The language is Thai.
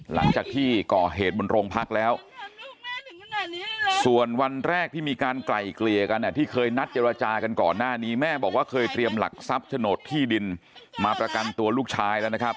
หลังจากที่ก่อเหตุบนโรงพักแล้วส่วนวันแรกที่มีการไกล่เกลี่ยกันที่เคยนัดเจรจากันก่อนหน้านี้แม่บอกว่าเคยเตรียมหลักทรัพย์โฉนดที่ดินมาประกันตัวลูกชายแล้วนะครับ